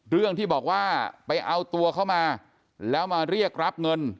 เรื่องที่บอกว่าไปเอาตัวเขามาแล้วมาเรียกรับเงิน